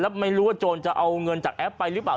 แล้วไม่รู้ว่าโจรจะเอาเงินจากแอปไปหรือเปล่า